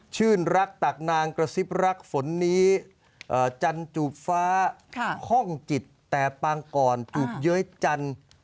ชื่นรักตักนางกระซิบรักฝนนี้จันจูบฟ้าคล่องจิตแต่ปางก่อนจูบเย้ยจันทร์